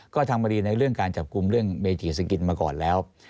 ก็ทำกรีดในเรื่องการจับกลุ่มเรื่องเมจีสกิลมาก่อนแล้ว